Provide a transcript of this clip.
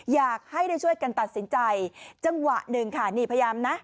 อยากให้ได้ช่วยกันตัดสินใจจังหวะหนึ่งค่ะนี่พยายามนะ